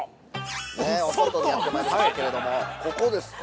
ねえ、お外にやってまいりましたけれども、ここですか。